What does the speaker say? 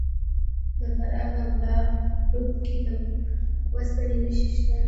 د فراه په بالابلوک کې د وسپنې نښې شته.